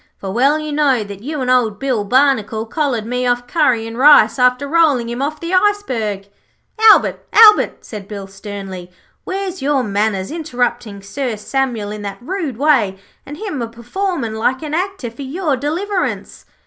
'For well you know that you and old Bill Barnacle collared me off Curry and Rice after rolling him off the iceberg.' 'Albert, Albert,' said Bill, sternly. 'Where's your manners: interruptin' Sir Samuel in that rude way, and him a performin' like an actor for your deliverance!'